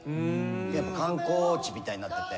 やっぱ観光地みたいになってて。